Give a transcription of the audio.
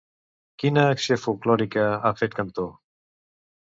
Quina acció folklòrica ha fet Cantó?